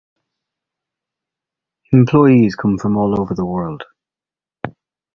Employees come from all over the world.